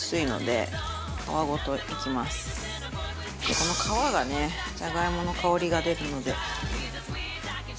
この皮がねじゃがいもの香りが出るので。